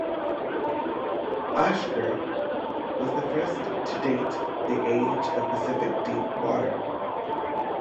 Oeschger was the first to date the "age" of Pacific deep water.